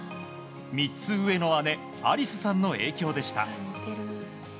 ３つ上の姉アリスさんの影響でした。